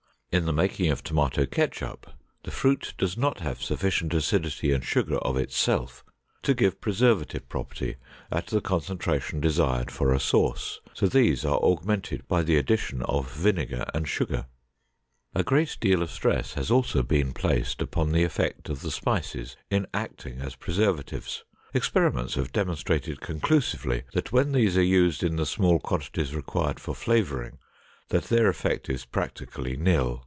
In the making of tomato ketchup, the fruit does not have sufficient acidity and sugar of itself to give preservative property at the concentration desired for a sauce, so these are augmented by the addition of vinegar and sugar. A great deal of stress has also been placed upon the effect of the spices in acting as preservatives. Experiments have demonstrated conclusively that when these are used in the small quantities required for flavoring, that their effect is practically nil.